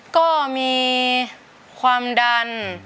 ก็มีความดัน